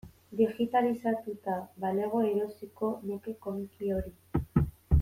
Digitalizatuta balego erosiko nuke komiki hori.